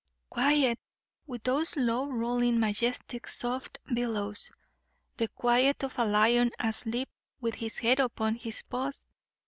Quiet! with those low rolling, majestic soft billows. The quiet of a lion asleep with his head upon his paws.